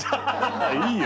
いいよ。